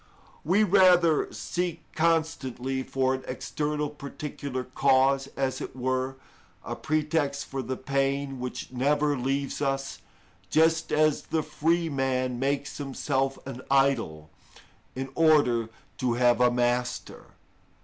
We rather seek constantly for an external particular cause, as it were, a pretext for the pain which never leaves us, just as the free man makes himself an idol, in order to have a master.